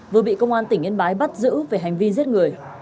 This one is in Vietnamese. vừa bị công an tỉnh yên bái bắt giữ về hành vi giết người